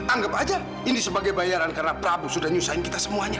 anggap aja ini sebagai bayaran karena prabu sudah nyusahin kita semuanya